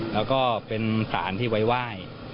แล้วก็เป็นสารที่ไว้ที่ฝ่าย